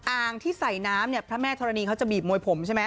อ่างที่ใส่น้ำเนี่ยพระแม่ธรณีเขาจะบีบมวยผมใช่ไหม